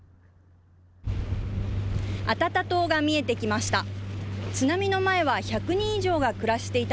アタタ島が見えてきました。